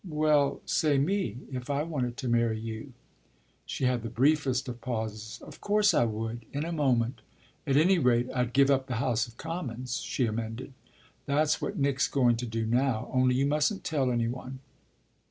"Well, say me if I wanted to marry you." She had the briefest of pauses. "Of course I would in a moment. At any rate I'd give up the House of Commons," she amended. "That's what Nick's going to do now only you mustn't tell any one."